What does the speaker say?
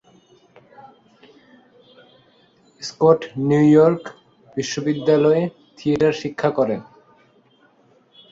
Scott New York বিশ্ববিদ্যালয়ে theatre শিক্ষা করেন।